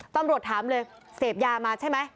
ตำรวจถามเลยเสพยามาใช่ไหม